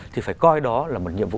thì phải coi đó là một nhiệm vụ